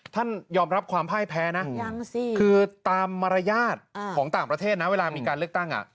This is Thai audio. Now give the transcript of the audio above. ท่านยอมรับความพ่ายแพ้นะคือตามมารยาทของต่างประเทศนะเวลามีการเลือกตั้ง